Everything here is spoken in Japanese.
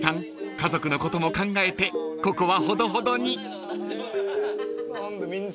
家族のことも考えてここはほどほどに］